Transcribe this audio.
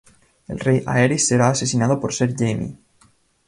El rey Aerys sería asesinado por ser Jaime.